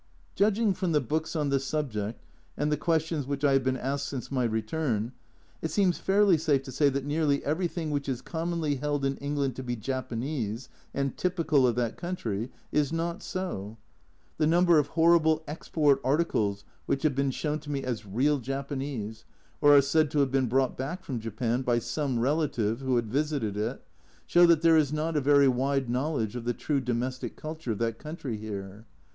Judging from the books on the subject, and the questions which I have been asked since my return, it seems fairly safe to say that nearly everything which is commonly held in England to be "Japanese," and typical of that country, is not so. The number of 265 266 A Journal from Japan horrible "export articles" which have been shown to me as " real Japanese," or are said to have been brought back from Japan by some relative who had visited it, show that there is not a very wide know ledge of the true domestic culture of that country here.